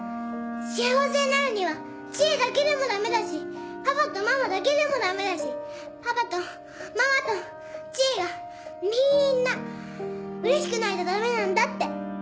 幸せになるには知恵だけでもダメだしパパとママだけでもダメだしパパとママと知恵がみんなうれしくないとダメなんだって。